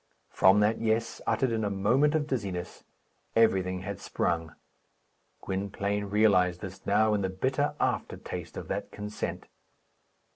From that "Yes," uttered in a moment of dizziness, everything had sprung. Gwynplaine realized this now in the bitter aftertaste of that consent.